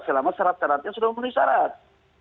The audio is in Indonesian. selama syarat syaratnya sudah memenuhi syarat